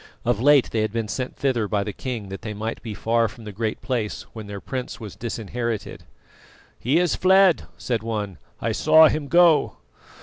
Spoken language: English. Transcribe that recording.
Of late they had been sent thither by the king that they might be far from the Great Place when their prince was disinherited. "He is fled," said one; "I saw him go."